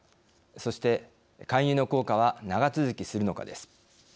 そして介入の効果は長続きするのか、です。